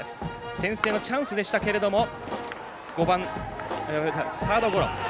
先制のチャンスでしたけれどもサードゴロ。